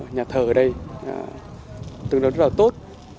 nhà thờ ở đây tương đối rất là tốt